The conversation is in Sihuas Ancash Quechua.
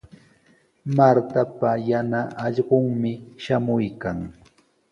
Martapa yana allqunmi shamuykan.